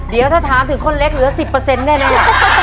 เดี๋ยวถ้าถามถึงคนเล็กเหลือ๑๐ได้ไหม